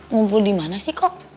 ngumpul dimana sih kok